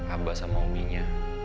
abah sama uminya